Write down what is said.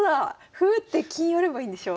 歩打って金寄ればいいんでしょ？